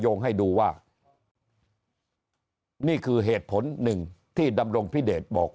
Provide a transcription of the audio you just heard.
งให้ดูว่านี่คือเหตุผลหนึ่งที่ดำรงพิเดชบอก